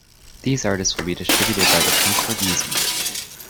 These artists will be distributed by the Concord Music Group.